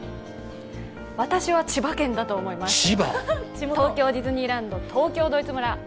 私は、千葉県だと思います、東京ディズニーランド、東京ドイツ村。